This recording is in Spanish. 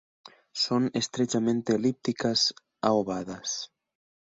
Son estrechamente elípticas a ovadas.